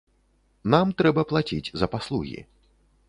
Нам трэба плаціць за паслугі.